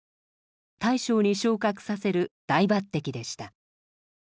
大将に昇格させる大抜擢でした。